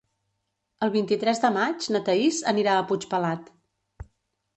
El vint-i-tres de maig na Thaís anirà a Puigpelat.